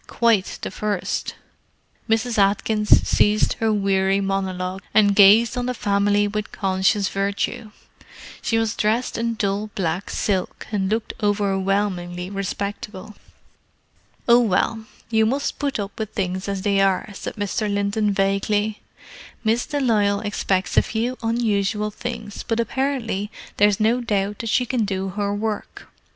Quite the first." Mrs. Atkins ceased her weary monologue and gazed on the family with conscious virtue. She was dressed in dull black silk, and looked overwhelmingly respectable. "Oh, well, you must put up with things as they are," said Mr. Linton vaguely. "Miss de Lisle expects a few unusual things, but apparently there is no doubt that she can do her work.